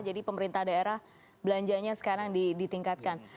jadi pemerintah daerah belanjanya sekarang ditingkatkan